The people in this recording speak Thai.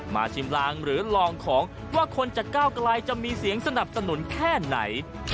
ชิมลางหรือลองของว่าคนจากก้าวกลายจะมีเสียงสนับสนุนแค่ไหน